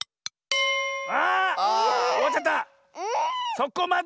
そこまで！